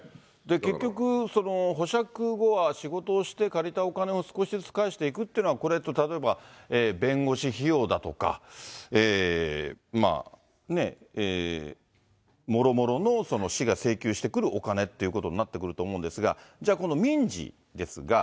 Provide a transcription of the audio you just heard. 結局、保釈後は仕事をして、借りたお金を少しずつ返していくというのは、これって、例えば弁護士費用だとか、もろもろの市が請求してくるお金っていうことになってくると思うんですが、じゃあ、この民事ですが。